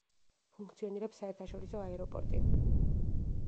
ფუნქციონირებს საერთაშორისო აეროპორტი.